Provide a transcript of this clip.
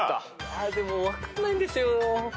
でも分かんないんですよ。